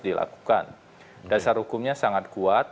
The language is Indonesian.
dilakukan dasar hukumnya sangat kuat